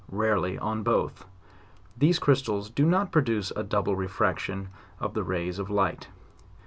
rarely on both. These crystals do not produce a double refraction of the rays of light.